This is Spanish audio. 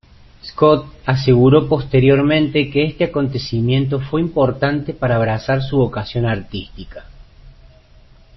Scott aseguró posteriormente que este acontecimiento fue importante para abrazar su vocación artística.